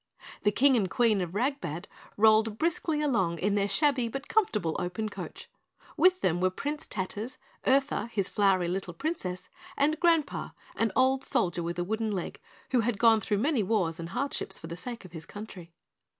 The King and Queen of Ragbad rolled briskly along in their shabby but comfortable open coach. With them were Prince Tatters, Urtha, his flowery little Princess, and Grandpa, an old Soldier with a wooden leg, who had gone through many wars and hardships for the sake of his country.